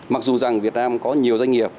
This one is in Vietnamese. mặc dù rằng việt nam có nhiều doanh nghiệp